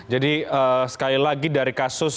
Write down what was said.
jadi sekali lagi dari kasus